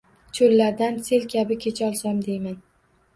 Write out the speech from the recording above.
Cho’llardan sel kabi kecholsam, deyman.